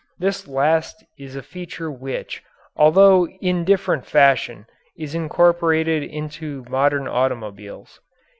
This last is a feature which, although in different fashion, is incorporated into modern automobiles.